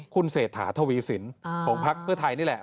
คุณเศษฐาทวีศิลป์ของภักดิ์เพื่อไทยนี่แหละ